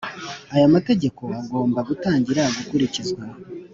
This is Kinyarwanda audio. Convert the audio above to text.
Aya mategeko agomba gutangira gukurikizwa